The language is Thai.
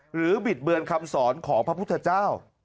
บิดเบือนคำสอนของพระพุทธเจ้า